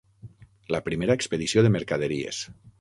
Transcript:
La primera expedició de mercaderies.